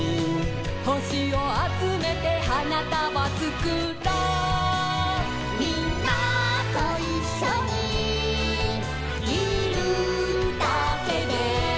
「ほしをあつめてはなたばつくろ」「みんなといっしょにいるだけで」